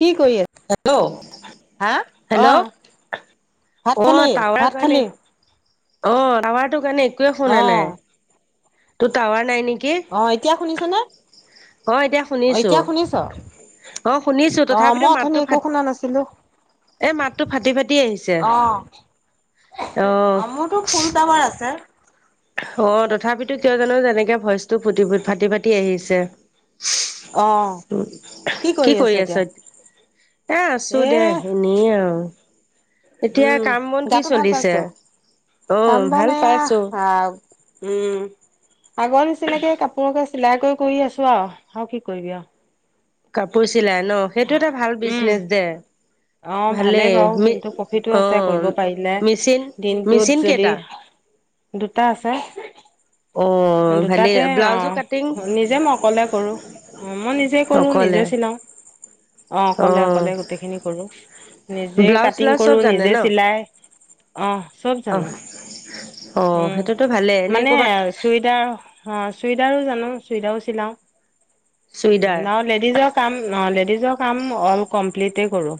কি কৰি আছ হেল্ল' হা অ হেল্ল' ভাত অ খালি তাৱৰা ভাত যোৱা নি? খালি অ টাৱাৰটো কাৰণে একোৱে অ শুনা নাই তোৰ টাৱাৰ নাই নেকি? অ এতিয়া শুনিছ নে? অ এতিয়া অ শুনিছো এতিয়া শুনিছ অ শুনিছো অ তথাপিতো মই অথনি মাতটো একো ফাট শুনা নাছিলো। এ মাতটো ফাটি ফাটি আহিছে। অ অমুতো ফুল টাৱাৰ আছে। অ তথাপিতো কিয় জানো যেনেকে ভইচটো ফুটি ফাটি ফাটি আহিছে। অ কি কৰি আছ এ আছো দে এনে আৰু। এতিয়া উম কাম বন কি গাটো ভাল পাইছ চলিছে উহ কাম বন ভাল এয়া পাইছো। আহ উম আগৰ নিচিনাকে কাপোৰকে চিলাই কৰি কৰি আছোৱা আৰু কি কৰিবি আৱো। কাপোৰ চিলাই ন সেইটো এটা ভাল উম বিজনেচ দে। অ ভালে ভালেই বাৰু মি কিন্তু প্ৰফিটো অ আছে কৰিব পাৰিলে মেচিন মেচিন দিনটোত যদি কেইটা দুটা আছে। অ ভালেই দুটাতে অ ব্লাউজো কাটিং নিজে মই অকলে কৰো। অ মই নিজে কৰো অকলে নিজে চিলাও অ অকলে অকলে গোটেইখিনি কৰো। নিজে ব্লাউজ কাটিং চিলাউজ চব কৰো নিজে চিলাই অহ। অহ সেইটোতো ভালে এনে কৰ'বাত অহ হ চুইদাৰো জানো চুইদাৰো চিলাও। চুইদাৰ ন লেডিজৰ কাম লেডিজৰ কাম অল কমপ্লিটে কৰো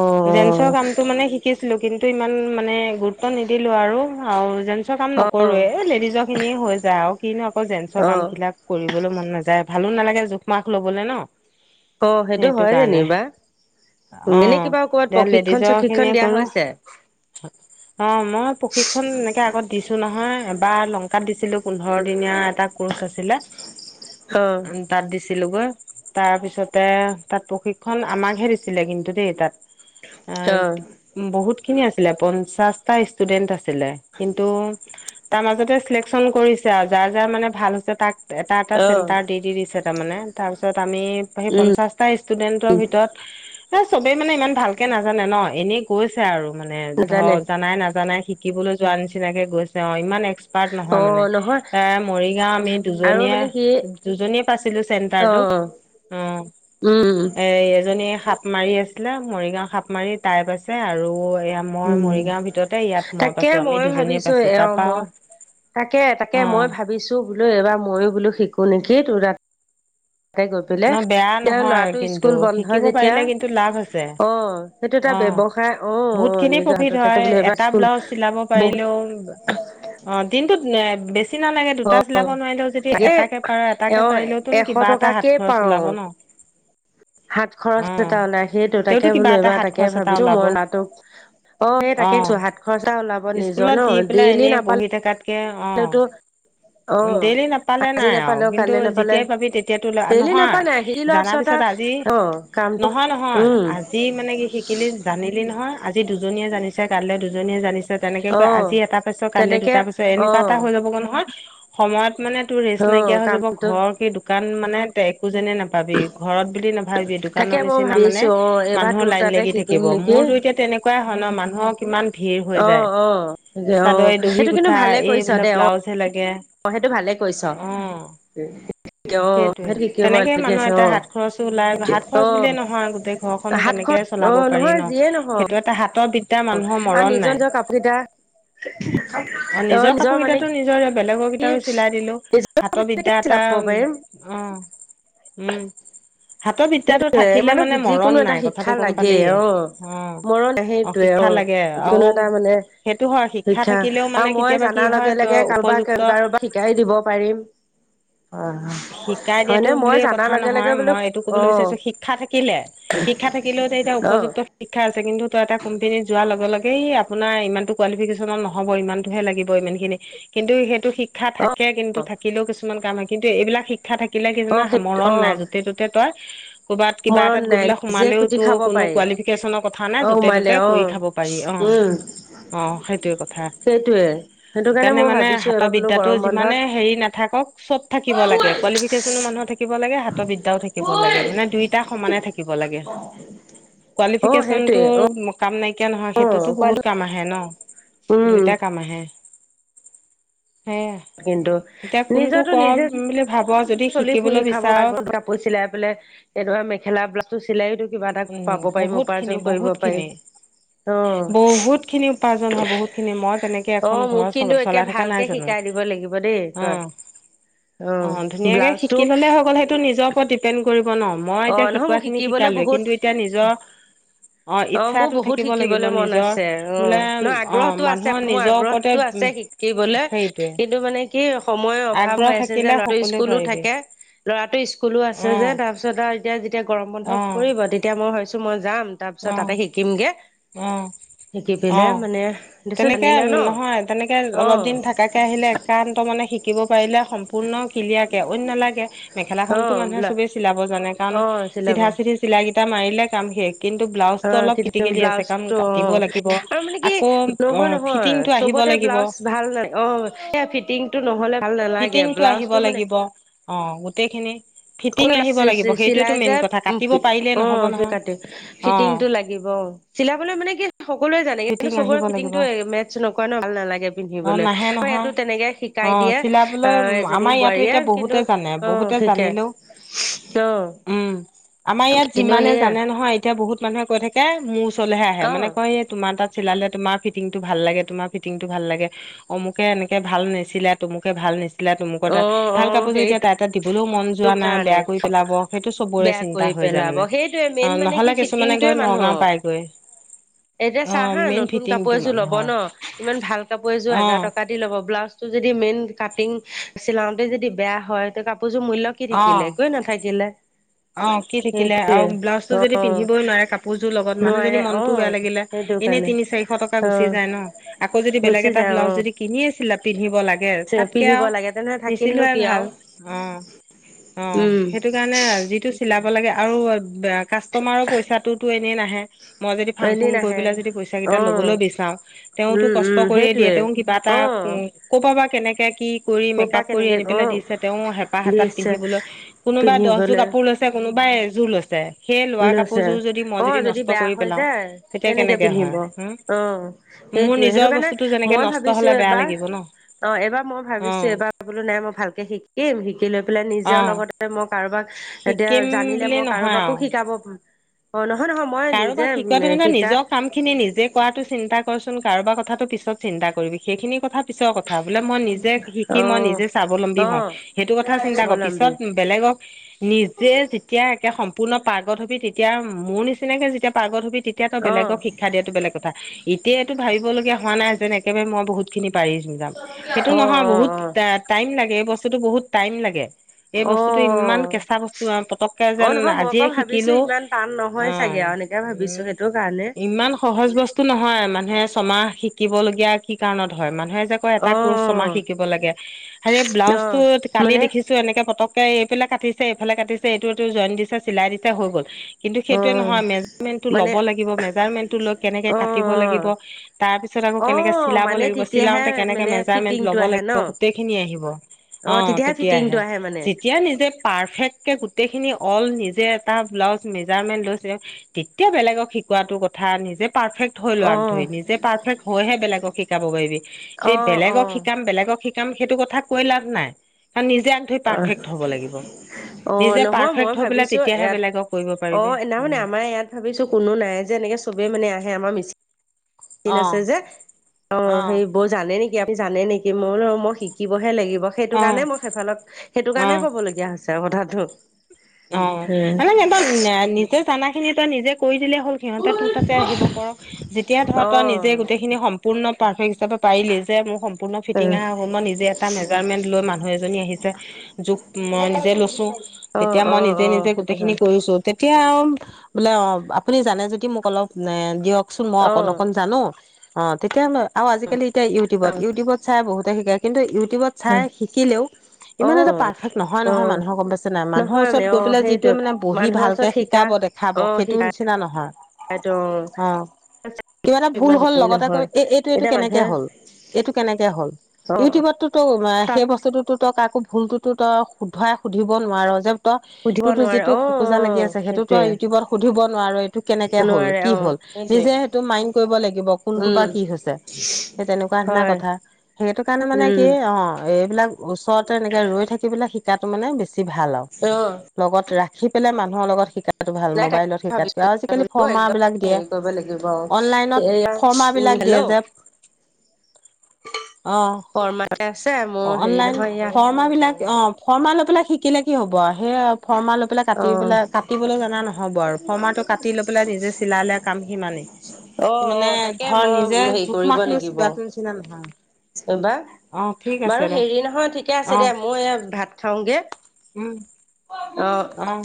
অ জেন্চৰ কামটো মানে শিকিছিলো কিন্তু ইমান মানে গুৰুত্ব নিদিলো আৰু আও জেন্চৰ কাম অ অ নকৰোৱে লেডিজৰ খিনিয়ে হৈ যায় আও কিনো আকৌ জেন্চৰ অ কাম কিলাক কৰি বলৈ মন নাযায় ভালো নালাগে জোখমাখ ল'বলৈ ন অ সেইটো হয় যেনিবা অ এনে কিবা ক'বাত এতিয়া প্ৰশিক্ষণ লেডিজৰ খিনিয়ে চশিক্ষণ দিয়া কৰো হৈছে অ মই প্ৰশিক্ষণ এনেকে আগত দিছো নহয় এবাৰ লংকাত দিছিলো পোন্ধৰ দিনীয়া এটা কৰ্চ আছিলে অ তাত দিছিলো গৈ তাৰপিছতে তাত প্ৰশিক্ষণ আমাকহে দিছিলে কিন্তু দেই তাত। অ বহুত খিনি আছিলে পঞ্চাশটা ষ্টুডেন্ট আছিল। কিন্তু তাৰ মাজতে চিলেকন কৰিছে আৰু যাৰ যাৰ মানে ভাল হৈছে তাক। এটা এটা অ চেণ্টাৰ দি দি দিছে তাৰ মমানে তাৰপিছত। আমি সেই উম পঞ্চাশটা ষ্টুডেন্টৰ ভিতৰত। এ চবেই মানে ইমান ভালকে নাজানে ন এনেই গৈছে আৰু মানে নাজানে ধৰ জানাই নাজানাই শ। শিকিবলৈ যোৱা নিচিনাকে গৈছে অ ইমান। অ নহয় মানে নহয় মৰি গাওঁ আমি আৰু দুজনীয়ে মানে কি দুজনীয়ে পাইছিলোঁ চেন্টাৰটো অ। অ উম এ এজনী সাত। সাপ মাৰি আছিলে মৰিগাঁও সাপমাৰি টাইপ আছে আৰু। এয়া মই উম মৰিগাঁৱৰ ভিতৰতে ইয়াত মই তাকে পাইছো আমি ময়ো দুজনীয়ে ভাবিছো পাইছো এ অ তাত। মই তাকে তাকে মই ভাবিছো বোলো এইবাৰ মইয়ো বোলো শিকো। কোনেকেই ত উৰা। ততে গৈ ন পেলাই বেয়া তেওঁ নহয় ল'ৰাটো কিন্তু স্কুল বন্ধ শিকিব যেতিয়া পাৰিলে কিন্তু লাভ আছে অ। সেইটো এটা অ ব্যৱসায় অ বহুত অ। খিনি নিজৰ হাতত থাকে হয় বোলো এইবাৰ এটা স্কুল ব্লাউজ চিলাব বহুত পাৰিলেও অ দিনত বেছি। নিচিনা লাগে দুটা চিলাব নোৱাৰিলেও যদি তাকে এটাকে পাৰ এ এটাকে পাৰিলেওতোোন এশ কিবা এটা হাত টকাকে খৰচ পাও ওলাব ন। [unintelligible] হাত খৰচ অ এটাও নাই সেইটো তেওঁতো তাকে কিবা বোলো এটা এইবাৰ হাত তাকে খৰচ এটা ভাবিছো ওলাব মই নাটো। অ এই তাকেছো হাত খৰচা ওলাব নিজৰ ন ডেইলি নাপালে। তাকে অহ। ডেইলি নাপালে আজি নাই আৰু নাপালেও কিন্তু কাইলে নাপালে যেতিয়াই পাবি তেতিয়াতো বেলি নহয় নাপায় নাই শিকি লোৱাৰ জাৰ পিছত। ক'ত আজি আৰু অ কামটো নহয় নহয় উম আজি মানে কি শি শিকিলি‌ জানিলি নহয় আজি দুজনীয়ে জানিছে কাইলৈ দুজনীয়ে জানিছে তেনেকে অ কৈ আজি এটা পাইছ কাইলৈ দুই তেনেকে তাৰ পিছত এনেই। অ কিবা এটা হৈ যাব গৈ নহয় সময়ত মানে তোৰ ৰিক্সি অ নাইকীয়া হৈ যাব কামটো ঘৰ কি দোকান মানে। একো যেনে নাপাবি ঘৰত বুলি নাভাবি তাকে দোকানৰ মই নিচিনা মানে ভাবিছো অ এইবাৰ মানুহৰ তোৰ লাইন তাতে লাগি থাকি। শিকিম থাকিব নেকি মোৰতো এতিয়া তেনেকুৱাই হয় ন মানুহক কিমান। ভিৰ হৈ অ যায় অ অ চাদয় দহি সেইটো গোঠা এইবিলাক ব্লাউজ হে লাগে। তই সেইটো ভালে কৰিছ দেহ। সেইটোয়ে তেনেকে মানুহ এটা হাত খৰচো ওলাই হাত অ খৰচ বুলিয়ে নহয় গোটেই ঘৰখননো হাত তেনে। কে খৰচ অ চলাব পাৰি নহয় ন যিয়ে নহওক সেইটো এটা হাতৰ বিদ্যা মানুহৰ আৰু মৰণ নিজৰ নাই। নিজৰ কাপোৰ কেইটা অ নিজৰ কাপোৰ কেইটাতো নিজৰ বেলেগৰ কি কেইটাৰো চিলাই দিলোঁ হাতৰ নিজকে বিদ্যা এটা। চিলাব আহ পাৰিম অহ উম। হাতৰ বিদ্যাটো সেইটোয়ে থাকিলে মানে মৰণ যিকোনো এটা নাই কথাটো শিক্ষা গম লাগে পালিয়ে অহ। অ মৰম অ সেইটোৱে শিক্ষা অহ লাগে আৰু যিকোনো এটা মানে। সেইটো হয় শিক্ষা থাকিলেও আৰু মানে মই কেতিয়াবা কি জানা হয় লগে ত লগে কাৰোবাক উপযুক্ত কাৰোবাক শিকাই দিব পাৰিম। হয়। শিকাই দিয়াতো বুলিযে কথা লগে নহয় বোলো মই এইটো। অ ক'বলৈ বিচাৰিছোঁ শিক্ষা থাকিলে শিক্ষা থাকিলেও এতিয়া অ উপযুক্ত শিক্ষা আছে কিন্তু। এটা কোম্পানী যোৱাৰ লগে লগেই আপোনাৰ ইমান কোৱালিফিকেচনত নহ'বই ইমানতোহে লাগিব ইমানখিনি। কিন্তু সেইটো শিক্ষা অ থাকে কিন্তু অ থাকিলেও কিছুমান কাম হয় কিন্তু এইবিলাক শিক্ষা থাকিলে কি অ সেইটো মৰণ অ নাই য'তে ত'তে তই ক'বাত কিবা মৰণ এটাত গৈ নাই পেলাই নিজে খুটি সোমালেওতো খাব কোনো পাৰি কোৱালিফিকেশ্যনৰ কথা নাই অ য'তে সোমালে ত'তে অ কৰি খাব পাৰি অ'। উম অ', সেইটোয়ে কথা। সেইটোৱে সেইটো কাৰণে সেইকাৰণে মই মানে ভাবিছো হাতৰ এবাৰ বোলো বিদ্যাটো গৰম যিমানে বন্ধত হেৰি নাথাকক চব থাকিব লাগে। কোৱালিফিকেচন মানুহৰ থাকিব লাগে হাতৰ বিদ্যাও থাকিব লাগে মানে দুইটা সমানে থাকিব লাগে। অ কোৱালিফিকেচনটো সেইটোৱে অ কাম নাই কে নহয় সেইটোতো অ বহুত কাম আহে ন উম দুইটা কাম আহে। সেয়াই কিন্তু এতিয়া কোনটো নিজৰটো কম নিজে বুলি ভাব যদি চলি ফুৰি শিকিবলৈ খাব বিচাৰ [inaudible] কাপোৰ চিলাই পেলাই এনেকুৱা মেখেলা ব্লাউজ চিলাইও কিবা এটা উম পাব পাৰিম বহুত খিনি উপাৰ্জন কৰিব বহুত পাৰি। খিনি অ', বহুত খিনি উপাৰ্জন হয় বহুত খিনি মই তেনেকে এখন অ', ঘৰ মোক কিন্তু একে চলাই থকা নাই ভালকে জানো শিকাই দিব লাগিব দেই তই আহ। ধুনীয়াকৈ শিকি ল'লে হৈ গ'ল সেইটো নিজৰ ওপৰত ডিপেণ্ড কৰিব ন মই অ এতিয়া নহয় মোক শিকোৱাখিনি শিকিবলৈ শিকালোয়ে। কিন্তু বহুত এতিয়া নিজৰ অ', মোৰ ইচ্ছাটো বহুত থাকিব লাগিব শিকিবলৈ মন নিজৰ আছে অ বোলে অ' মানুহৰ নিজৰ ওপৰতে শিকিবলৈ সেইটোৱে কিন্তু মানে কি সময়ৰ অভাৱ আগ্ৰহ হৈ আছে যে থাকিলে ল'ৰাটো সকলোৱে স্কুলো পাৰিবি থাকে। ল'ৰাটো স্কুলো আছে অ যে তাৰপিছত আৰু এতিয়া যেতিয়া গৰম অ বন্ধ পৰিব। তেতিয়া মই ভাবিছো মই যাম তাৰ পিছত অ তাতে শিকিমগে। অ শিকি পেলাই অ', মানে তাৰপিছত তেনেকে জানিলে ন নহয় তেনেকে অ অলপ দিন থাকাকে আহিলে একান্ত মনে শিকিব পাৰিলে সম্পূৰ্ণ ক্লিয়াৰ কে অইন নালাগে অ মেখেলাখনতো মানুহে বোলা চবেই চিলাব জানে। কাৰণ অ চিলাব চিধা চিধি চিলাই কিটা মাৰিলে কাম শেষ। কিন্তু অ ব্লাউজটো অলপ কেতিয়া কিতিকেলি আছে। কাৰণ ব্লাউজটো অ কাটিব লাগিব আৰু মানে কি আকৌ নহয় অ' নহয় ফিটিংটো আহিব চবতে লাগিব ব্লাউজ ভাল নাই অ' সেয়া ফিটিং ফিটিংটো আহিব লাগিব অ' গোটেইখিনি ফিটিং আহিব লাগিব [inaudible] সেইটোৱেতো চিলাই মেইন যাই কথা কাটিব পাৰিলেই নহ'ব অ' সেই নহয় কাটি অ ফিটিংটো লাগিব। চিলাবলৈ মানে কি সকলোৱে জান বাকী কিন্তু ফিটিং চবৰে আহিব লাগিব ফিটিংটো মেটচ নকৰা ন ভাল নালাগে অ পিন্ধিবলৈ নাহে আৰু নহয় এইটো তেনেকে অ শিকাই দিয়ে চিলাবলৈ অহ এজনী আমাৰ ইয়াতো এতিয়া বোৱাৰীয়ে বহুতে কিন্তু জানে অ', বহুতে জানিলেও শিকে অ', উম আমাৰ ইয়াত কিন্তু যিমানে সেয়া জানে নহয় এতিয়া বহুত মানুহে কৈ থাকে মোৰ ওচৰলৈহে আহে অ মানে কয় তোমাৰ তাত চিলালে তোমাৰ ফিটিংটো ভাল লাগে তোমাৰ ফিটিংটো ভাল লাগে অমুকে এনেকে ভাল নিছিলাই তমোকে ভাল নিছিলাই দিলা তমুকৰ অ তাত অ ভাল কাপোৰযোৰ এতিয়া সেইটো তাত দিবলৈও মন যোৱা নাই কাৰণে বেয়া কৰি পেলাব সেইটো চবৰে বেয়া কৰি চিন্তা হৈ যায় পেলাব মানে, সেইটোৱে মেইন অ', মানে কি নহ'লে কিছুমানে ফিটিংটোৱে গৈ নগাঁও মানুহৰ পাইগৈ। এতিয়া অ চাহ হা মেইন নতুন কাপোৰ ফিটিংটো এযোৰ লব মানুহৰ ন ইমান ভাল কাপোৰ এযোৰ অ হাজাৰ টকা দি লব ব্লাউজ যদি মেইন কাটিং চিলাওতে যদি বেয়া হয় তে কাপোৰ কাপোৰযোৰ মূল্য কি অ থাকিলে একোৱেই নাথাকিলে অ', কি থাকিলে আৰু ব্লাউজ টো সেইটোৱে যদি অ পিন্ধিবই নোৱাৰে কাপোৰযোৰ লগত মানুহ নোৱাৰে যদি অ মনতো বেয়া লাগিলে সেইটো এনেই কাৰণে তিনি চাৰিশ টকা অ গুচি যায় ন' আকৌ যদি বেলেগ গুচি এটা যায় অ ব্লাউজ যদি কিনিয়ে ছিলা পিন্ধিব লাগে লাগে তাতকে পিন্ধিব আৰু লাগে তেনেহলে থাকিলনো নিছিলোৱাই কি ভাল আৰু অ', অহ উম সেইটো কাৰণে যিটো চি চিলাব লাগে আৰু কাষ্টমাৰৰ পইচাটোতো এনেই নাহে মই যদি ফাং ফুং এদিন কৰি আহে পেলাই যদি পইচা কেইটা অ ল'বলৈ বিচাও তেওঁতো উম কষ্ট উম কৰিয়ে দিয়ে সেইটোৱে তেওঁ কিবা এটা অ উম কৰ পৰা বা কেনেকে কি কৰি ক'ৰ পৰা মেকাপ কৰি কেনেকে আনি অ পেলাই দিছে তেওঁ হেঁপাহ এটাত দিছে পিন্ধিবলৈ কোনোবা দহ জোৰ পিন্ধিবলৈ কাপোৰ লৈছে কোনোবাই এযোৰ লৈছে সেই লোৱা লৈছে কাপোৰযোৰ যদি মই অ যদি নষ্ট বেয়া কৰি হৈ পেলাও যায় তেতিয়া কেনেকে হয় পিন্ধিব হম অ মোৰ সেইটোৱে সেইটো নিজৰ কাৰণে বস্তুটো যেনেকে মই নষ্ট ভাবিছো হ'লে বেয়া এবাৰ লাগিব ন অ', এইবাৰ মই অ ভাবিছো এইবাৰ বোলো নাই মই ভালকে শিকিম শিকি লৈ পেলাই অ নিজেও লগতে মই কাৰোবাক এতিয়া শিকিম জানিলে বুলি মই নহয় কাৰোবাকো আৰু শিকাব অ' নহয়। নহয় মই নিজে কাৰোবাক শিকোৱা তুমি শিকা নিজৰ কাম খিনি নিজে কৰাটো চিন্তা কৰছ। কাৰোবাৰ কথাটো পিছত চিন্তা কৰিবি সেইখিনি কথা পিছৰ কথা বোলে মই নিজে অ শিকি মই নিজে স্বাৱলম্বী অ হওঁ সেইটো কথা চিন্তা কৰ স্বাৱলম্বী পিছত বেলেগৰ নিজে যেতিয়া একে সম্পূৰ্ণ পাৰ্গত হবি তেতিয়া মোৰ নিচিনাকে যেতিয়া পাৰ্গত হবি তেতিয়া তো অ বেলেগক শিক্ষা দিয়াতো বেলেগ কথা এতিযা এইটো ভাবিব লগা হোৱা নাই যেন একেবাৰে মই বহুত খিনি পাৰি য সেইটো অ নহয় অ বহুত অ টাইম লে এই বস্তুতটো বহুত টাইম লাগে। এই অ বস্তুতটো ইমান কেঁচা বস্তু পতককে অ যেন নহয় মই আকৌ আজিয়ে ভাবিছো শিকিলো, ইমান টান নহয় চাগে অ', আৰু এনেকে ভাবিছো উম, সেইটো কাৰণে ইমান সহজ বস্তু নহয়। মানুহে ছমাহ শিকিবলগীয়া কি কাৰণত হয় মানে। ন এটা ক চমাহ অ', শিকিব লাগে হ ব্লাউজটো অ', কালি মানে দেখিছো এনেকে প এইফালে কাটিছে এইফালে কাটিছে এইটো এইটো জইন দিছে চিলাই দিছে হৈ গ'ল। কিন্তু সেইটোৱে অ', নহয় মেজাৰমেণ্টটো মানে ল'ব লাগিব মেজাৰমেণ্টটো লৈ কেনেকৈ অ', কাটিব লাগিব অ', তাৰপিছত কেনেকে অ', চিলাব মানে লাগিব তেতিয়াহে চিলাওতে কেনেকে মানে মেজাৰমেন্ট ফিটিংটো লব আহে ন? লাগিব গোটেই খিনি আহিব অ'। ফিটিংটো তেতিয়াহে আহে মানে যেতিয়া নিজে পাৰেফেক্ট গোটেই খিনি অল নিজে এটা ব্লাউজ মেজাৰমেন্ট লৈছে তেতিয়া বেলেগক শিকটো কথা নিজে পাৰফে্ট ল অ', আগ ধৰি নিজে পাৰফেক্ট হয়হে বেলেগক শিকাব পাৰিবি। অ', এ বেলেগক অ', শিকাম বেলেগক শিকাম সেইটো কথা কৈ লাভ নাই। নিজে আন থৈ অ', পাৰফেক্ট হ'ব লাগিব। অ', নিজে নহয় মই পাৰফেক্ট হৈ পেলাই ভাবিছো তেতিয়াহে ইয়াত বেলেগক কৰিব পাৰিবি। অ', নাই মানে উম আমাৰ ইয়াত ভাবিছো কোনো নাই যে এনেকে চবে মানে আহে আমাৰ মিচি চিং অ আছে যে অ' সেই বৌ জানে নেকি? জানে নেকি মোৰো মই শিকিবহে লাগিব। সেইটো কাৰণে মই সেইফালক সেইটো অ কাৰণেই অ ক'বল লগগীয়া হৈছে আৰু কথাটো। অ' আৰু সিহঁতৰ নিজে চানা খিনি ত নিজে কৰি দিলে হল সিহঁতে তোৰ তাতে আহিব কৰক যেতিয়া ধৰা তই নিজে অ', গোটেইখিনি সম পূৰ্ণ পৰফে্ট হিচাপে পাৰিলি যে মোৰ পূৰ্ণ অ ফিটিং আৰু হ'ল মই নিজে এটা মেজাৰমেন্ট লৈ মানুহ এজনী আহিছে জোক মই নিজে লৈছো। তেতিয়া অ মই অ নিজে-নিজে সেইটো গোটেই খিনি হয় কৰিছো তেতিয়া আৰু বোলে অ' আপুনি জানে যদি মোক অলপ এ দিয়কচোন মই অ অকন অকন জানো অ' তেতিয়া আৰু আজিকালি এতিয়া অ ইউটিউবত-ইউটিউব চাই বহুতে শিকায় কিন্তু ইউ ইটিউবত চাই শিকিলেও অ ইমান এটা পাৰফে্ক অ নহয়-নহয় মানুহক গম পাইছে নাই ই নহয় ৰত মানে গৈ অ পেল যিটো সেইটো মানে বহি মানুহৰ ভালকে ওচৰত শিকাব দেখাব সেইটো নিচি সেইটো। কিবা এটা ভুল হ'ল লগতে কৈ এ এইটো এইটো এতিয়া কেনেকে মানুহে হ'ল, এইটো কেনেকে হ'ল। অ ইউটিউবতো তো সেই তাত বস্তুটোতো ত কাকো ভুলটোতো তই শোধোৱাই সুধিব নোৱাৰ যে ত সুধিব ততো নোৱাৰে যিটো অ খোকোজা অ লাগি আছে সেইটোতো সেইটোয়ে ইউটিউবত সুধিব নোৱাৰো এইটো কেনেকে হ'ল, নোৱাৰে কি অ হ'ল? সেইটোয়ে নিজে সেইটো মাইণ কৰিব লাগিব কোনটোৰ পৰা উম কি হৈছে সেই তেনেকুৱা ধৰনৰ হয় কথা সেইটো। টো কাৰণে মানে উম কি অ', এইবিলাক ওচৰতে এনেকে ৰৈ থাকিবেলে শিকাটো মানে বেছি ভাল আৰু অ লগত ৰাখ শি পেলাই মানুহৰ লগত শিকা, ভাল নাই তাকে মবাইলত শিকাতকে ভাবিছো আৰু আজিকালি ফৰ্মা একদম বিলাক দিয়ে হেৰি কৰিব লাগিব অনলাইনত এয়া ফৰ্মা উম বিলাক দিয়া হেল্ল' যায়। অ'-অ', শৰ্মাকে আছে মোৰ হেৰি অনলাইন নহয় এয়া ফাৰ্মা বিলাক অ' ফৰ্মা লৈ পেলাই শিকিলে কি হ'ব সেয়া আৰু। ফৰ্মাৰ লৈ পেলাই কাট অ পেলাই কাটিবলৈ জাননা নহ'ব আৰু ফৰ্মাৰটো কাটি লৈ পেলাই নিজে চিলাই লে কাম সিমানেই। অ অ মানে তাকে ধৰ মই নিজে জোখ মাখ লৈছিলো নিচিনা নহয়। এইবা অ ঠিক আছে বাৰু দে হেৰি নহয় ঠিকে অ আছে দে মই এই ভাত খাওঁগে। উম'। অ অহ,